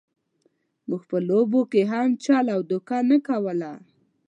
موږ په لوبو کې هم چل او دوکه نه کوله.